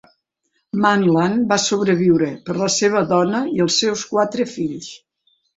Manlan va sobreviure per la seva dona i els seus quatre fills.